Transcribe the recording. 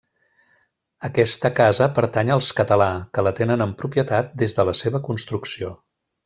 Aquesta casa pertany als Català, que la tenen en propietat des de la seva construcció.